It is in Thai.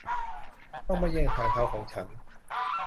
ต้องไม่แย่งทางเท้าของฉัน